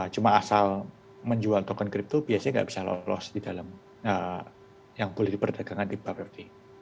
cuma asal menjual token kripto biasanya nggak bisa lolos di dalam yang boleh diperdagangkan di pabrik